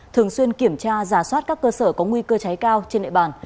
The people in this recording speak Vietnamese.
thường xuyên kiểm tra giả soát các cơ sở có nguy cơ cháy cao trên địa bàn